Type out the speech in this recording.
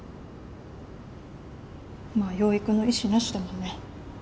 まあ養育の意思なしだもんね。